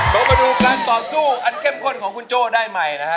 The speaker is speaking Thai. เรามาดูการต่อสู้อันเข้มข้นของคุณโจ้ได้ใหม่นะฮะ